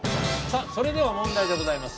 それでは問題でございます。